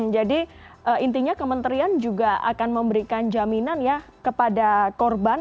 jadi intinya kementerian juga akan memberikan jaminan ya kepada korban